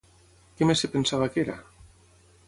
Què més es pensava que era?